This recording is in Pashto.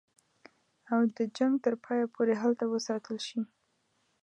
او د جنګ تر پایه پوري هلته وساتل شي.